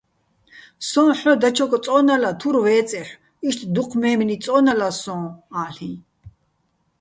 სო́ჼ ჰ̦ო დაჩოკ წო́ნალა, თურ ვე́წეჰ̦ო̆, იშტ დუჴ მე́მნი წო́ნალა სო́ნ-ა́ლ'იჼ.